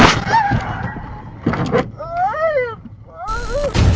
ซักทีคุณปลอดภัย